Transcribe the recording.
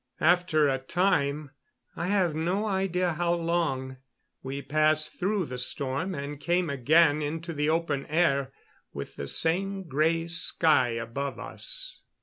After a time I have no idea how long we passed through the storm and came again into the open air with the same gray sky above us.